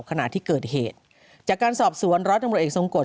ขณะที่เกิดเหตุจากการสอบสวนร้อยตำรวจเอกทรงกฎ